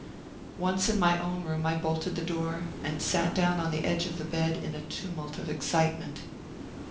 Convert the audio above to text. Once in my own room I bolted the door, and sat down on the edge of the bed in a tumult of excitement.